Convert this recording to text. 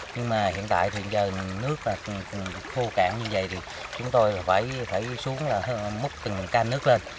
nhưng mà hiện tại thì giờ nước khô cạn như vậy thì chúng tôi phải xuống là múc từng can nước lên